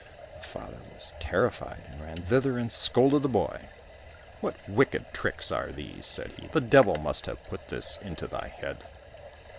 The father was terrified, and ran thither and scolded the boy. "What wicked tricks are these?" said he, "the devil must have put this into thy head."